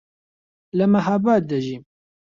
لە مەهاباد دەژیم.